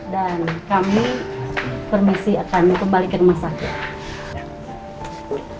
dan kami permisi akan kembalikan masaknya